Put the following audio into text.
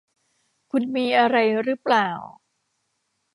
คุณมีอะไรรึเปล่า